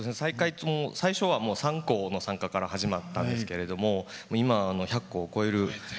最初は３校の参加から始まったんですけれども今、１００校を超える。